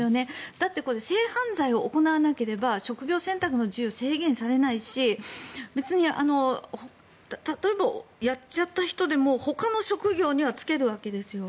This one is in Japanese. だって、性犯罪を行わなければ職業選択の自由、制限されないし別に例えばやっちゃった人でもほかの職業には就けるわけですよ。